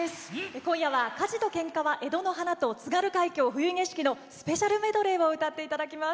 今夜は「火事と喧嘩は江戸の華」と「津軽海峡・冬景色」のスペシャルメドレーを歌っていただきます。